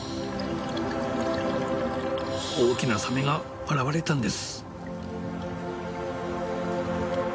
大きなサメが現れたんです。